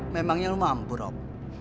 memangnya lu mampu rob